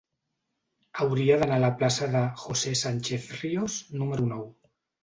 Hauria d'anar a la plaça de José Sánchez Ríos número nou.